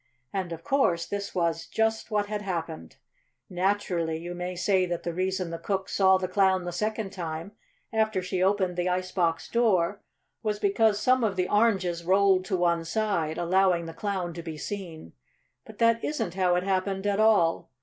And, of course, this was just what had happened. Naturally you may say that the reason the cook saw the Clown the second time, after she opened the ice box door, was because some of the oranges rolled to one side, allowing the Clown to be seen. But that isn't how it happened at all.